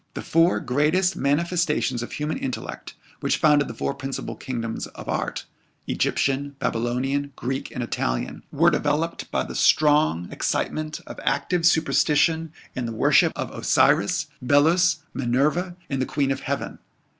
The four greatest manifestations of human intellect which founded the four principal kingdoms of art, Egyptian, Babylonian, Greek, and Italian, were developed by the strong excitement of active superstition in the worship of Osiris, Belus, Minerva, and the Queen of Heaven.